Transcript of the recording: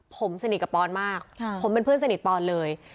ผมสนิทกับปอนมากผมเป็นเพื่อนสนิทปอนเลย